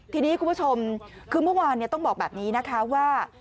ทีนี้คุณผู้ชมคือเมื่อวานต้องบอกแบบนี้นะคะว่า